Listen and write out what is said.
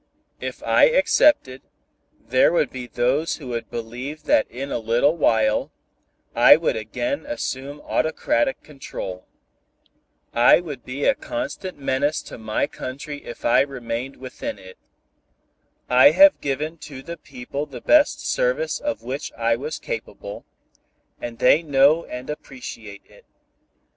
If I accepted, there would be those who would believe that in a little while, I would again assume autocratic control. I would be a constant menace to my country if I remained within it. "I have given to the people the best service of which I was capable, and they know and appreciate it.